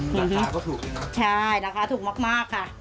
หน้าทานก็ถูกเลยนะครับใช่ราคาถูกมากค่ะ